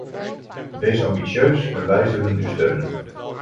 Wees ambitieus en wij zullen u steunen.